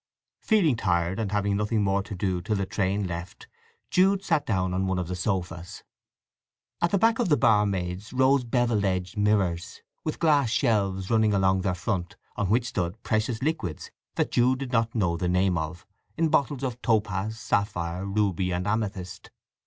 Feeling tired, and having nothing more to do till the train left, Jude sat down on one of the sofas. At the back of the barmaids rose bevel edged mirrors, with glass shelves running along their front, on which stood precious liquids that Jude did not know the name of, in bottles of topaz, sapphire, ruby and amethyst.